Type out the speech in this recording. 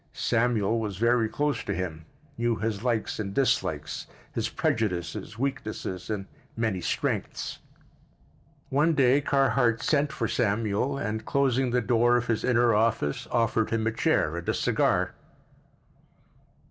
Samuel was very close to him, knew his likes and dislikes, his prejudices, weaknesses and many strengths. One day Carhart sent for Samuel and, closing the door of his inner office, offered him a chair and a cigar.